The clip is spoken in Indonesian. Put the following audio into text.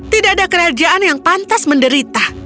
tidak ada kerajaan yang pantas menderita